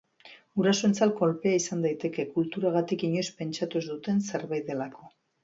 Gurasoentzat kolpea izan daiteke, kulturagatik inoiz pentsatu ez duten zerbait delako.